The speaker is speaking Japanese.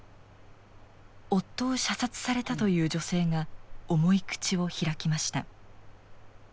夫を射殺されたという女性が重い口を開きました。